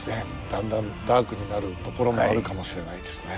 だんだんダークになるところもあるかもしれないですね。